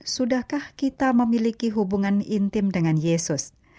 sudahkah kita memiliki hubungan intim dengan yesus